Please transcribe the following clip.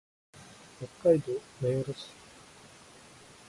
北海道名寄市